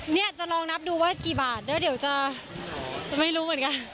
เนี่ยจะลองนับดูว่ากี่บาทแล้วเดี๋ยวจะไม่รู้เหมือนกัน